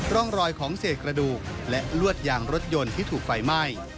ร่องรอยของเศษกระดูกและลวดยางรถยนต์ที่ถูกไฟไหม้